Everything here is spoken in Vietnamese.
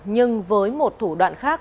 nhưng với một thủ đoạn khác